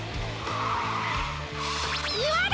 いわだ！